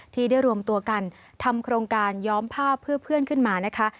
ที่ได้รวมตัวกันทำโครงการย้อมภาพเพื่อเพื่อนขึ้นมานะคะ